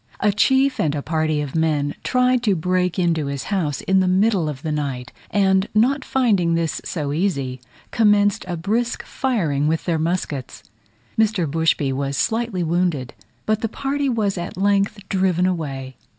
A chief and a party of men tried to break into his house in the middle of the night, and not finding this so easy, commenced a brisk firing with their muskets. Mr. Bushby was slightly wounded, but the party was at length driven away.